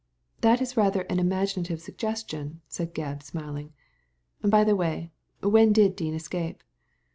. "That is rather an imaginative suggestion," said Gebb, smiling. ''By the way, when did Dean escape